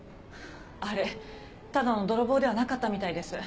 あれただの泥棒ではなかったみたいです。